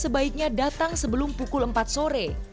sebaiknya datang sebelum pukul empat sore